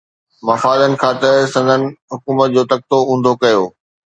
مفادن خاطر سندن حڪومتن جو تختو اونڌو ڪيو